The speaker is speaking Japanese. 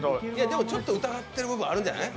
でもちょっと疑ってる部分あるんじゃない？